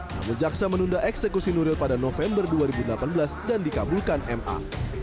namun jaksa menunda eksekusi nuril pada november dua ribu delapan belas dan dikabulkan ma